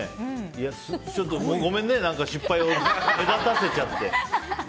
ごめんね、失敗を目立たせちゃって。